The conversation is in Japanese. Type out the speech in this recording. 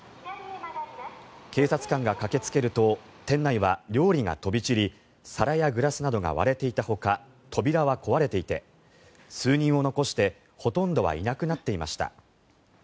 警察官が駆けつけると店内は料理が飛び散り皿やグラスなどが割れていたほか扉は壊れていて数人を残して、ほとんどはいなくなっていました。